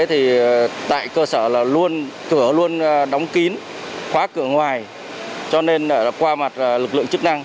thì tại cơ sở là luôn cửa luôn đóng kín khóa cửa ngoài cho nên qua mặt lực lượng chức năng